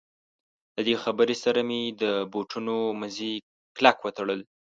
له دې خبرې سره مې د بوټونو مزي کلک وتړل.